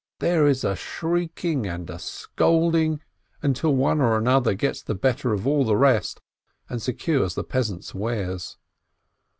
There is a shrieking and scolding, until one or another gets the better of the rest, and secures the peasant's wares.